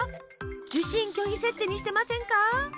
受信拒否設定にしてませんか？